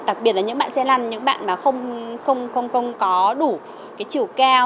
đặc biệt là những bạn xe lăn những bạn mà không có đủ cái chiều cao